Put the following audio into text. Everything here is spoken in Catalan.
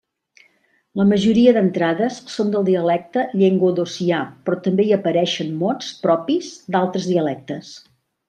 La majoria d'entrades són del dialecte llenguadocià, però també hi apareixen mots propis d'altres dialectes.